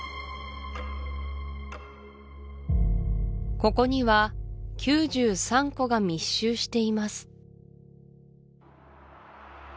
ここには９３個が密集しています